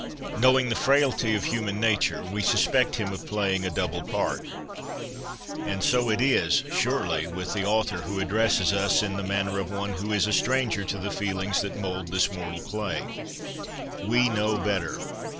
Knowing the frailty of human nature, we suspect him of playing a double part. And so it is, surely, with the author who addresses us in the manner of one who is a stranger to the feelings that mould this mortal clay. We know better.